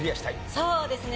そうですね。